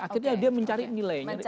akhirnya dia mencari nilainya